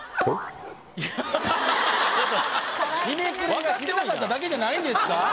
分かってなかっただけじゃないんですか？